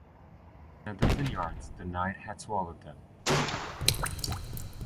In a dozen yards the night had swallowed them.